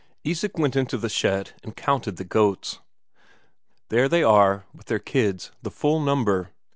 Isak went into the shed and counted the goats. There they are with their kids, the full number.